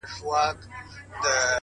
خپل ذهن د زده کړې لپاره پرانیزئ؛